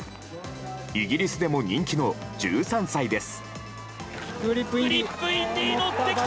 イギリスでも人気の１３歳です。